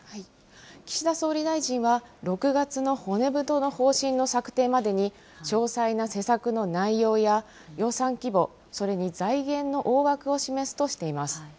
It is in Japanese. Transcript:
岸田総理大臣は、６月の骨太の方針の策定までに、詳細な施策の内容や予算規模、それに財源の大枠を示すとしています。